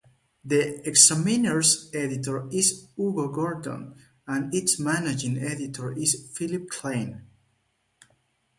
The "Examiner"'s editor is Hugo Gurdon, and its managing editor is Philip Klein.